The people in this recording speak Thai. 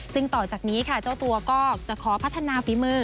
ซึ่งต่อจากนี้ค่ะเจ้าตัวก็จะขอพัฒนาฝีมือ